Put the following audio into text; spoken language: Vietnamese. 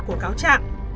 của cáo chặn